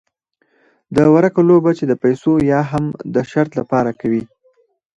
د ورقو لوبه چې د پیسو یا هم د شرط لپاره کوي.